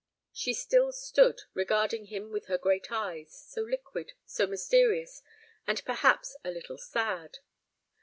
She still stood regarding him with her great eyes, so liquid, so mysterious, and perhaps a little sad.